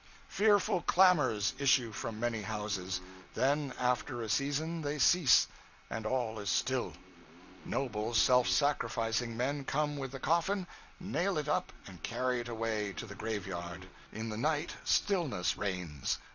'Fearful clamors issue from many houses; then after a season they cease, and all is still: noble, self sacrificing men come with the coffin, nail it up, and carry it away, to the graveyard. In the night stillness reigns.